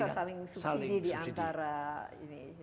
jadi bisa saling subsidi diantara ini